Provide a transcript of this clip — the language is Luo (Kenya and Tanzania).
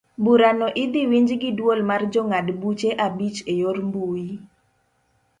Burano idhi winj gi duol mar jongad buche abich eyor mbui.